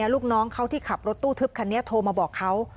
ลูกน้องเขาที่ขับรถตู้ทึบคันนี้โทรมาบอกเขา